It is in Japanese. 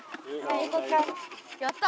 やった！